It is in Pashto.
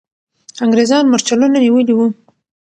انګریزان مرچلونه نیولي وو.